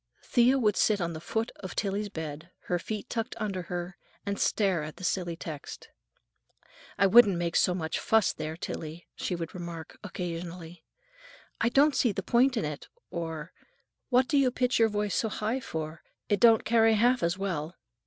Thea would sit on the foot of Tillie's bed, her feet tucked under her, and stare at the silly text. "I wouldn't make so much fuss, there, Tillie," she would remark occasionally; "I don't see the point in it"; or, "What do you pitch your voice so high for? It don't carry half as well."